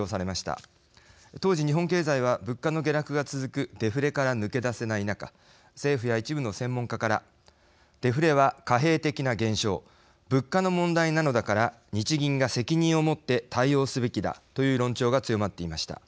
当時日本経済は物価の下落が続くデフレから抜け出せない中政府や一部の専門家からデフレは貨幣的な現象物価の問題なのだから日銀が責任を持って対応すべきだという論調が強まっていました。